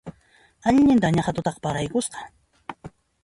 Allintan naqha tutaqa paraykusqa